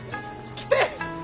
来て！